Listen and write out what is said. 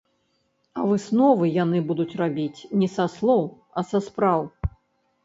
А высновы яны будуць рабіць не са словаў, а са спраў.